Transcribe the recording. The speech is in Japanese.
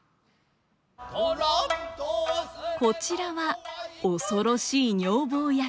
こちらは恐ろしい女房役。